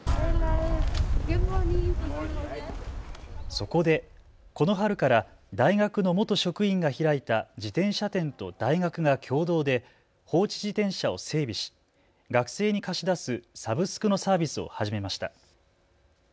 そこで、この春から大学の元職員が開いた自転車店と大学が共同で放置自転車を整備し学生に貸し出すサブスクのサービスを始めました。